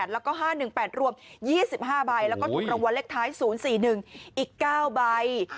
แล้วก็๕๑๘รวม๒๕ใบแล้วก็ถูกรางวัลเลขท้าย๐๔๑อีก๙ใบ